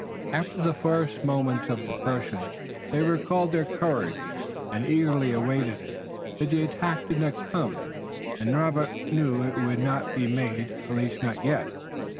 After the first moments of depression they recalled their courage and eagerly awaited an attack. But the attack did not come and Robert knew it would not be made, at least not yet.